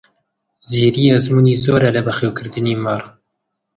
زیری ئەزموونی زۆرە لە بەخێوکردنی مەڕ.